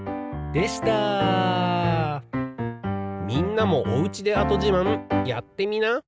みんなもおうちで跡じまんやってみな。